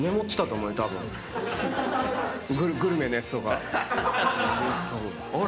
グルメのやつとか。